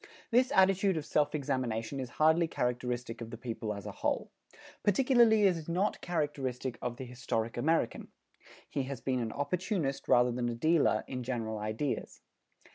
This attitude of self examination is hardly characteristic of the people as a whole. Particularly it is not characteristic of the historic American. He has been an opportunist rather than a dealer in general ideas.